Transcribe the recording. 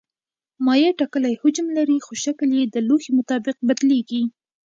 مایع ټاکلی حجم لري خو شکل یې د لوښي مطابق بدلېږي.